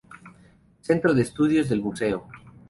Centro de estudios" del museo.